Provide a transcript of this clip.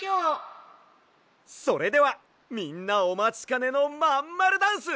それではみんなおまちかねのまんまるダンス。